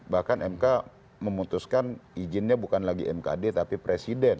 bahkan mk memutuskan izinnya bukan lagi mkd tapi presiden